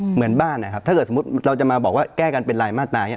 เหมือนบ้านนะครับถ้าเกิดสมมุติเราจะมาบอกว่าแก้กันเป็นรายมาตราอย่างนี้